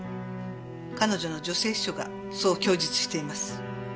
彼女の女性秘書がそう供述しています。